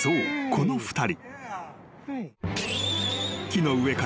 この２人］